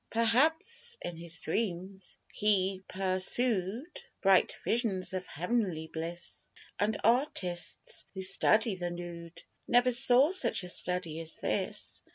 Perhaps in his dreams he persood Bright visions of heav'nly bliss; And artists who study the nood Never saw such a study as this.